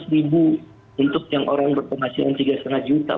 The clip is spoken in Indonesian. rp enam ratus untuk yang orang berpenghasilan rp tiga lima juta